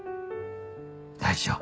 大丈夫。